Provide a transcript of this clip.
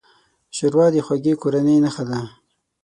ښوروا د خوږې کورنۍ نښه ده.